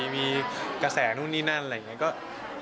มีกระแสนู่นนี่นั่นอะไรอย่างนี้